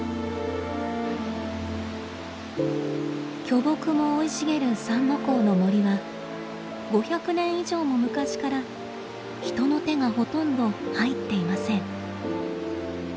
巨木も生い茂る三之公の森は５００年以上も昔から人の手がほとんど入っていません。